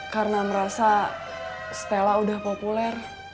karena merasa stella udah populer